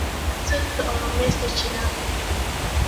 د دعا ارزښت د ارامۍ سرچینه ده.